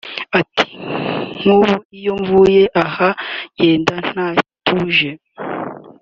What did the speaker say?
Ati” Nk’ubu iyo mvuye aha ngenda ntatuje